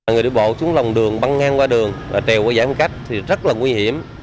người đi bộ chúng lòng đường băng ngang qua đường trèo qua giãn cách thì rất là nguy hiểm